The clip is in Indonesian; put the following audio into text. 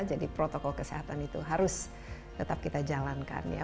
jadi protokol kesehatan itu harus tetap kita jalankan ya